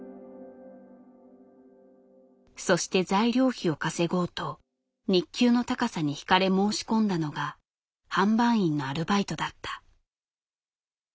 そして材料費を稼ごうと日給の高さに惹かれ申し込んだのが販売員のアルバイトだった。